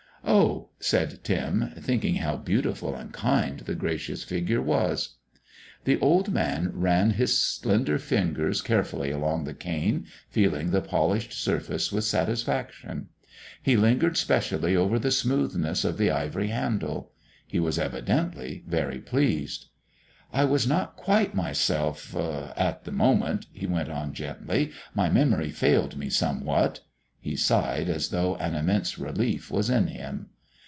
"Oh," said Tim, thinking how beautiful and kind the gracious figure was. The old man ran his slender fingers carefully along the cane, feeling the polished surface with satisfaction. He lingered specially over the smoothness of the ivory handle. He was evidently very pleased. "I was not quite myself er at the moment," he went on gently; "my memory failed me somewhat." He sighed, as though an immense relief was in him.